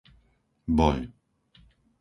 Boľ